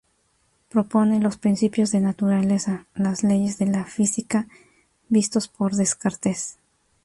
Propone los principios de naturaleza —las Leyes de la Física—vistos por Descartes.